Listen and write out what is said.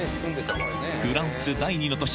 フランス第２の都市